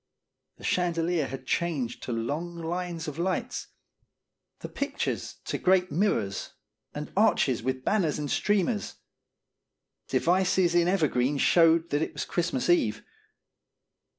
The chandelier had changed to long lines of lights, the pictures to great mirrors, and arches with banners and streamers. Devices in ever green showed that it was Christmae Eve.